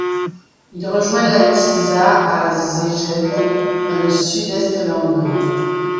Il rejoint la Tisza à Szeged dans le sud-est de la Hongrie.